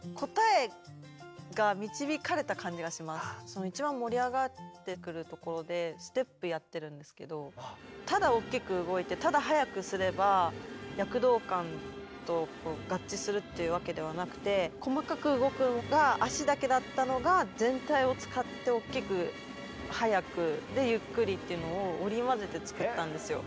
いやもう一番盛り上がってくるところでステップやってるんですけどただおっきく動いてただ速くすれば躍動感と合致するっていうわけではなくて細かく動くのが足だけだったのが全体を使っておっきく速くでゆっくりっていうのを織り交ぜて作ったんですよ